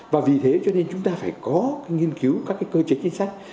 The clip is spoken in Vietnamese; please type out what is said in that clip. và vì thế cho nên chúng ta phải có cái nghiên cứu các cái cơ chế chính sách